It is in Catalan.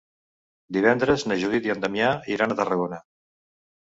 Divendres na Judit i en Damià iran a Tarragona.